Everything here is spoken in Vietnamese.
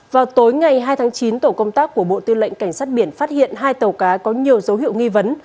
vào tối ngày hai tháng chín tổ công tác của bộ tư lệnh cảnh sát biển phát hiện hai tàu cá có nhiều dấu hiệu nghi vấn